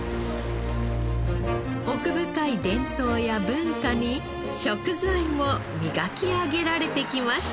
奥深い伝統や文化に食材も磨き上げられてきました。